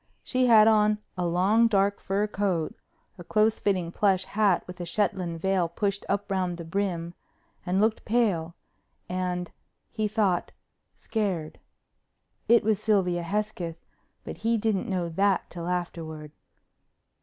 She had on a long dark fur coat, a close fitting plush hat with a Shetland veil pushed up round the brim, and looked pale, and, he thought, scared. It was Sylvia Hesketh, but he didn't know that till afterward.